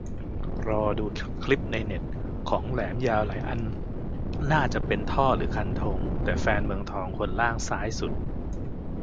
รอดูคลิปในเน็ต ของแหลมยาวหลายอันน่าจะเป็นท่อหรือคันธง แต่แฟนเมืองทองคนล่างซ้ายสุด